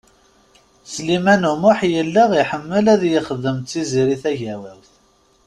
Sliman U Muḥ yella iḥemmel ad yexdem d Tiziri Tagawawt.